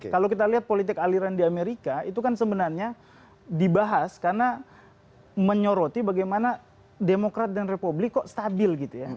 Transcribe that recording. kalau kita lihat politik aliran di amerika itu kan sebenarnya dibahas karena menyoroti bagaimana demokrat dan republik kok stabil gitu ya